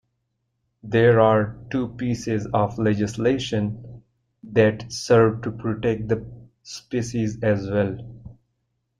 There are two pieces of legislation that serve to protect the species as well.